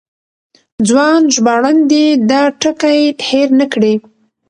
ځوان ژباړن دې دا ټکی هېر نه کړي.